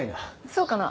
そうかな？